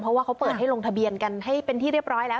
เพราะว่าเขาเปิดให้ลงทะเบียนกันให้เป็นที่เรียบร้อยแล้ว